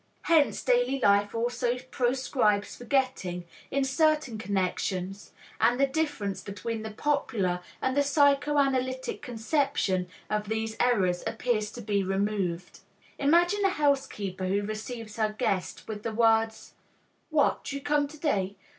Hence, daily life also proscribes forgetting, in certain connections, and the difference between the popular and the psychoanalytic conception of these errors appears to be removed. Imagine a housekeeper who receives her guest with the words: "What, you come to day?